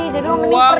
jadi lo mending pergi